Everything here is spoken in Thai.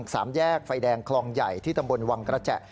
สามแยกไฟแดงคลองใหญ่ที่ตำบลวังกระแจ